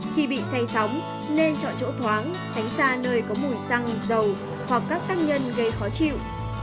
khi bị say sóng nên chọn chỗ thoáng tránh xa nơi có mùi xăng dầu hoặc các tác nhân gây khó chịu